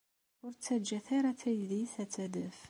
Ur ttaǧǧat ara taydit ad d-tadef.